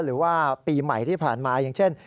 หรือว่าปีใหม่ที่ผ่านมาอย่างเช่น